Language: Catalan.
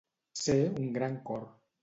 Ser un gran cor.